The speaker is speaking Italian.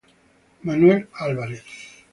Manuel Álvarez